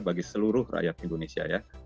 bagi seluruh rakyat indonesia ya